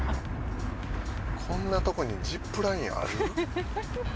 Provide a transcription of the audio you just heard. こんなとこにジップラインある？